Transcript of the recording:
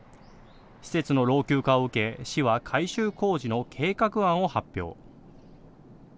施設の老朽化を受け市は改修工事の計画案を発表。